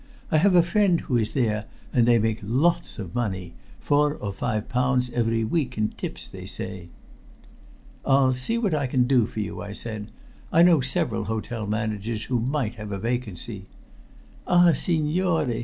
I have a friend who is there, and they make lots of money four or five pounds every week in tips, they say." "I'll see what I can do for you," I said. "I know several hotel managers who might have a vacancy." "Ah, signore!"